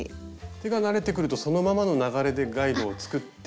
手が慣れてくるとそのままの流れでガイドを作って。